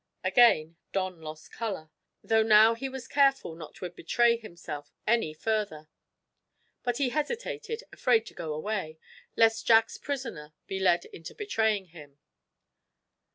Again Don lost color, though now he was careful not to betray himself any further. But he hesitated, afraid to go away, lest Jack's prisoner be led into betraying him.